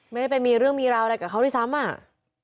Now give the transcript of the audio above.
ไม่ได้ไปมีเรื่องมีราวอะไรกับเขาด้วยซ้ำอ่ะ